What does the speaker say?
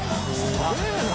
すげぇな。